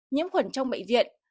nhiễm khuẩn trong bệnh viện